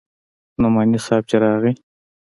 نعماني صاحب چې راغى.